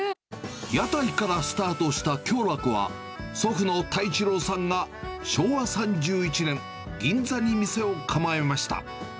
屋台からスタートした共楽は、祖父の太一郎さんが昭和３１年、銀座に店を構えました。